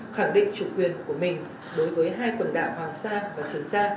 khẳng định chủ quyền của mình đối với hai quần đảo hoàng sa và trường sa